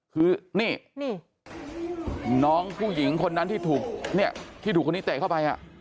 คือนี่น้องผู้หญิงคนนั้นที่ถูกเนี่ยที่ถูกคนนี้เตะเข้าไป